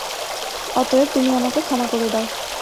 অতএব, তুমি আমাকে ক্ষমা করে দাও।